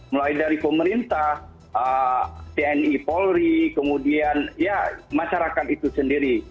mulai dari pemerintah tni polri kemudian ya masyarakat itu sendiri